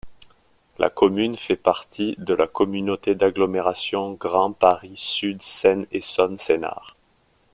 La commune fait partie de la communauté d'agglomération Grand Paris Sud Seine-Essonne-Sénart.